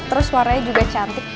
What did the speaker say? terus warnanya juga cantik